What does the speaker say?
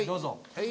はい。